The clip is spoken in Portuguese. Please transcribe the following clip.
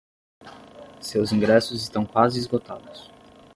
Seus ingressos estão quase esgotados.